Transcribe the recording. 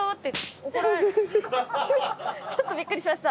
フフフちょっとびっくりしました。